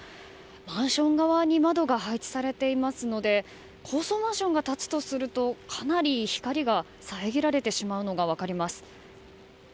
マンション側に窓が配置されているので高層マンションが立つとかなり光がさえぎられるのが分かります。